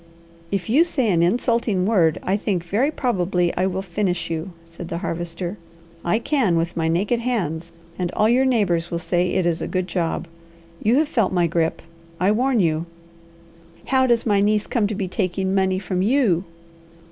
"If you say an insulting word I think very probably I will finish you," said the Harvester. "I can, with my naked hands, and all your neighbours will say it is a a good job. You have felt my grip! I warn you!" "How does my niece come to be taking money from you!"